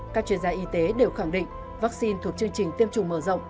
các chuyên gia y tế đều khẳng định vaccine thuộc chương trình tiêm chủng mở rộng